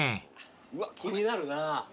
うわっ気になるな。